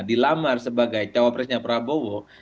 dilamar sebagai cowok presnya prabowo